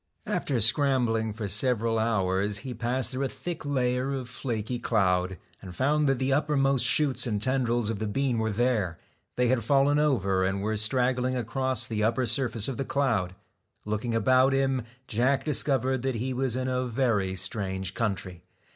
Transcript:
After scrambling for several hours, he passed through a thick layer of flaky cloud, and found that the uppermost shoots and tendrils of the bean were there. They had fallen over and were strag gling across the upper surface of the cloud. Looking about him, Jack discovered that he was in a very strange country.